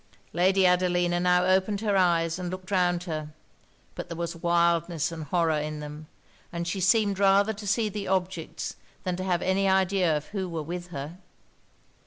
Lady Adelina now opened her eyes and looked round her. But there was wildness and horror in them; and she seemed rather to see the objects, than to have any idea of who were with her.